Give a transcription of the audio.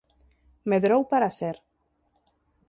Medrou para ser